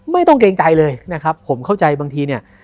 เกรงใจเลยนะครับผมเข้าใจบางทีเนี่ย